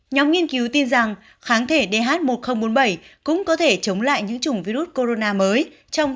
nhóm nghiên cứu tin rằng kháng thể dh một nghìn bốn mươi bảy cũng có thể chống lại những chủng virus corona mới